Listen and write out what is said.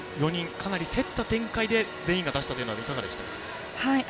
かなり競った展開で全員が出したというのはいかがですか。